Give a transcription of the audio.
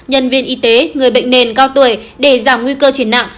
nhân viên y tế người bệnh nền cao tuổi để giảm nguy cơ chuyển nặng